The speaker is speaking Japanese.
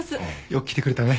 よく来てくれたね。